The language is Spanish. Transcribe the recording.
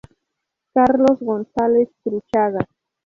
Carlos González Cruchaga.